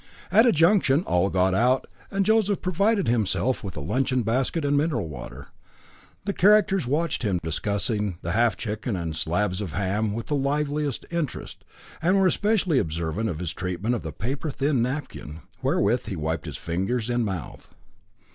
At a junction all got out, and Joseph provided himself with a luncheon basket and mineral water. The characters watched him discussing the half chicken and slabs of ham, with the liveliest interest, and were especially observant of his treatment of the thin paper napkin, wherewith he wiped his fingers and mouth.